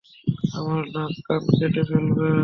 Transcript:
আমার নাক কান কেটে ফেলবে।